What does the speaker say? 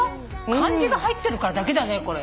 漢字が入ってるからだけだね。